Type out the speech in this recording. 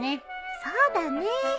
そうだね。